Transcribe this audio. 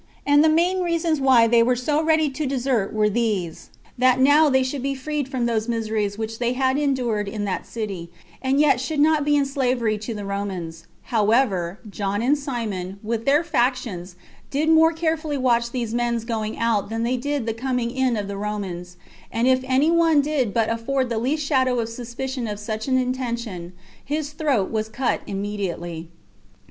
And the main reasons why they were so ready to desert were these: That now they should be freed from those miseries which they had endured in that city, and yet should not be in slavery to the Romans: however, John and Simon, with their factions, did more carefully watch these men's going out than they did the coming in of the Romans; and if any one did but afford the least shadow of suspicion of such an intention, his throat was cut immediately.